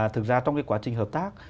thực ra trong cái quá trình hợp tác